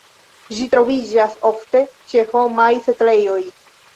Ĝi troviĝas ofte ĉe homaj setlejoj.